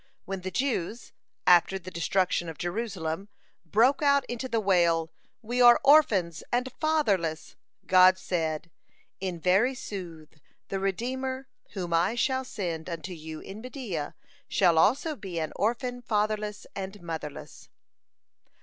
When the Jews, after the destruction of Jerusalem, broke out into the wail, "We are orphans and fatherless," God said: "in very sooth, the redeemer whom I shall send unto you in Media shall also be an orphan fatherless and motherless."